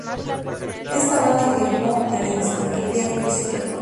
Esta banda firmó en la discográfica Rise Records.